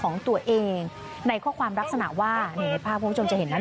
ของตัวเองในข้อความลักษณะว่านี่ในภาพคุณผู้ชมจะเห็นนั้น